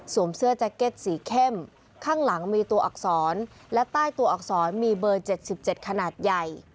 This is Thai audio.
เสื้อแจ็คเก็ตสีเข้มข้างหลังมีตัวอักษรและใต้ตัวอักษรมีเบอร์๗๗ขนาดใหญ่